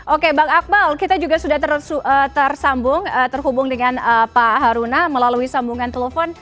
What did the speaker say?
oke bang akmal kita juga sudah tersambung terhubung dengan pak haruna melalui sambungan telepon